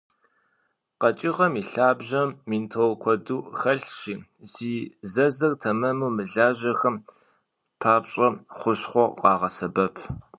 Къэкӏыгъэм и лъабжьэм ментол куэду хэлъщи, зи зэзыр тэмэму мылажьэхэм папщӏэ хущхъуэу къагъэсэбэп.